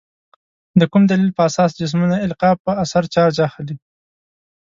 د کوم دلیل په اساس جسمونه القا په اثر چارج اخلي؟